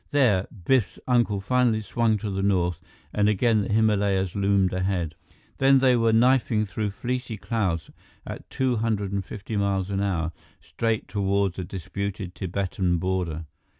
There, Biff's uncle finally swung to the north, and again the Himalayas loomed ahead. Then they were knifing through fleecy clouds at two hundred and fifty miles an hour, straight toward the disputed Tibetan border.